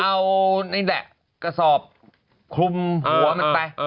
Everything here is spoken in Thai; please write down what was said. เอานี่แหละกสอบคลุมหัวไป